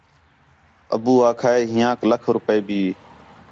ابو آکھا ہِے ہِیانک لاکھ روپے بھی